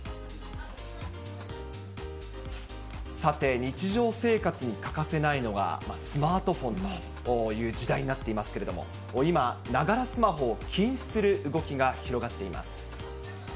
さて、日常生活に欠かせないのは、スマートフォンという時代になっていますけれども、今、ながらスマホを禁止する動きが広がっています。